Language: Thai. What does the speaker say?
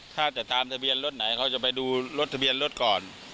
ถ้าจะตามทะเบียนรถไหนเขาจะไปดูรถทะเบียนรถก่อน